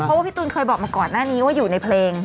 เพราะว่าพี่ตูนเคยบอกมาก่อนหน้านี้ว่าอยู่ในเพลง